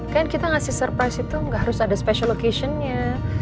kan kita ngasih surprise itu nggak harus ada special location nya